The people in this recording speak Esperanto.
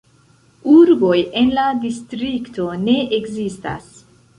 Urboj en la distrikto ne ekzistas.